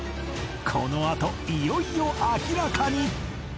このあといよいよ明らかに！